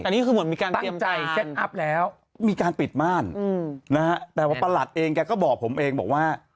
แต่นี่คือเหมือนมีการเตรียมการมีการปิดม่านแต่ว่าประหลัดเองแกก็บอกผมเองบอกว่า